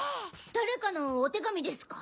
誰かのお手紙ですか？